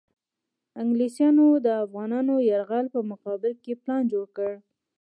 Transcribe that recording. انګلیسیانو د افغانانو یرغل په مقابل کې پلان جوړ کړ.